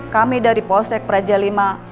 kami dari polsek praja v